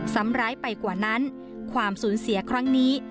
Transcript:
ซ้ำร้ายไปกว่านั้นความสูญเสียครั้งนี้